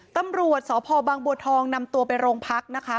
ตำรวจสพบางบัวทองนำตัวไปโรงพักนะคะ